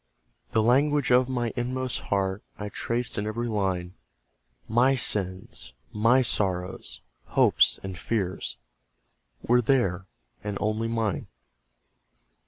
The language of my inmost heart I traced in every line; MY sins, MY sorrows, hopes, and fears, Were there and only mine.